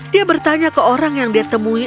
dia bertanya ke orang yang dia temui